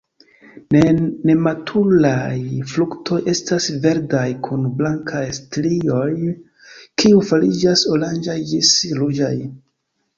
Nematuraj fruktoj estas verdaj kun blankaj strioj, kiuj fariĝas oranĝaj ĝis ruĝaj.